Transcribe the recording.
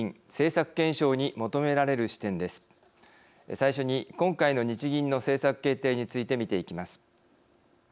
最初に今回の日銀の政策決定について見ていきます。